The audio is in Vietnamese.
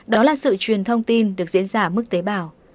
đó là sự truyền thông tin được diễn ra mức tế bào